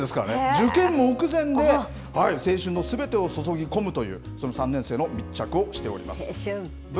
受験目前で青春のすべてを注ぎ込むという、その３年生の密着をし青春。